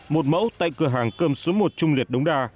một mẫu tại cửa hàng cơm số một trung liệt đống đa